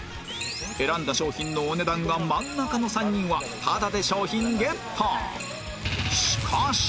選んだ商品のお値段が真ん中の３人はタダで商品ゲット！